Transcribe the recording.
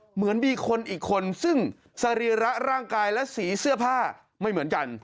เหมือนมีคนอีกคนซึ่งสรีระร่างกายและสีเสื้อผ้าไม่เหมือนกัน